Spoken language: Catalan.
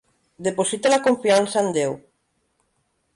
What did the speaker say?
Deposita la confiança en Déu